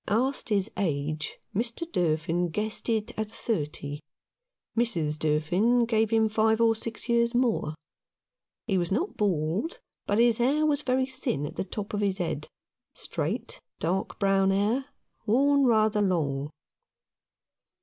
Asked his age, Mr. Durfin guessed it at thirty. Mrs. Durfin gave him five or six years more. He was not bald, but his hair was very thin at the top of his head, straight, dark brown hair, worn rather long.